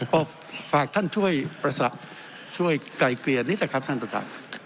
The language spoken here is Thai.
พอกฝากท่านช่วยประสาทช่วยไกลเกลียดสิครับท่านประธานครับ